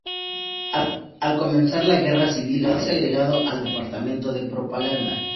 Al comenzar la Guerra Civil es agregado al departamento de propaganda.